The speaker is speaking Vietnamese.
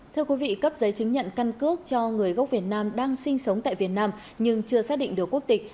thưa quý vị cấp giấy chứng nhận căn cước cho người gốc việt nam đang sinh sống tại việt nam nhưng chưa xác định được quốc tịch